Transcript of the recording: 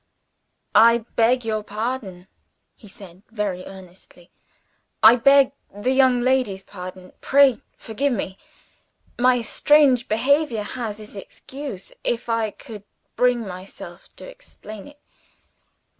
"I beg your pardon," he said, very earnestly. "I beg the young lady's pardon. Pray forgive me. My strange behavior has its excuse if I could bring myself to explain it.